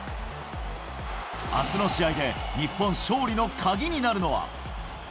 あすの試合で、日本、勝利の鍵になるのは。